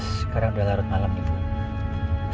sekarang udah larut malam nih bu